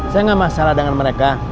saya nggak masalah dengan mereka